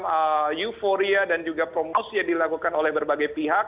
dalam euforia dan juga promosi yang dilakukan oleh berbagai pihak